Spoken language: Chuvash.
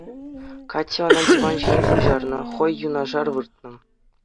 Катя ӑна диван ҫине куҫарнӑ, хӑй юнашар выртнӑ.